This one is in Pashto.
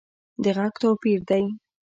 د غږ توپیر دی